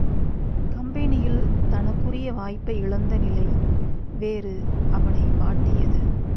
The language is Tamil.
கம்பெனியில் தனக்குரிய வாய்ப்பை இழந்த நிலை வேறு அவனை வாட்டியது.